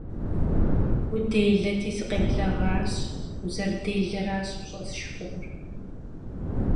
- Уделэти, сыкъебгъэлащ. Узэрыделэращ ущӏэсшхынур.